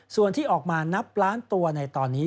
ส่วนที่ออกมานับล้านตัวในตอนนี้